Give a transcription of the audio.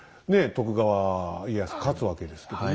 徳川家康が勝つわけですけどね。